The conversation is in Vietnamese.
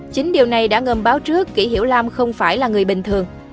chính điều này đã ngầm báo trước kỷ hiểu lam không phải là người bình thường